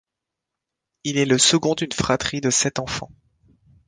Il est le second d'une fratrie de sept enfants.